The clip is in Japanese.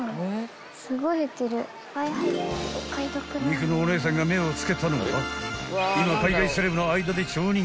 ［肉のお姉さんが目を付けたのは今海外セレブの間で超人気］